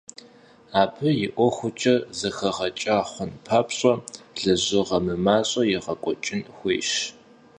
Абы и ӏуэхукӏэ зэхэгъэкӏа хъун папщӏэ лэжьыгъэ мымащӏэ егъэкӏуэкӏын хуейщ.